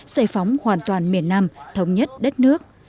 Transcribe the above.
xây phóng hoàn toàn miền nam thống nhất đất nước